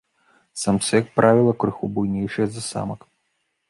Самцы, як правіла, крыху буйнейшыя за самак.